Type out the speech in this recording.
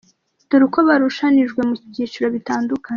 Dore uko barushanijwe mu byicicro bitadukanye:.